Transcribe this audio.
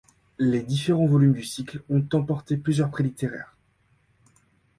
Les différents volumes du cycle ont remporté plusieurs prix littéraires.